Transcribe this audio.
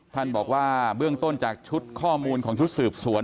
ท่านบอกว่าเบื้องต้นจากชุดข้อมูลของชุดสืบสวน